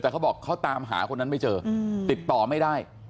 แต่เขาบอกเขาตามหาคนนั้นไม่เจอติดต่อไม่ได้